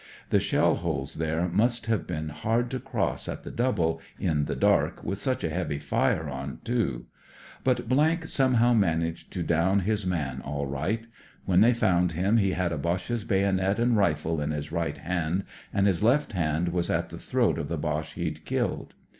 The shell holes there must have been hard to cross at the double, in the dark, with such a heavy fire on, too. But somehow managed to down his CLOSE QUARTERS 71 man all right. When they found him he had a Roche's bayonet and rifle in his right hand and his left hand was at the throat of the Roche he*d killed.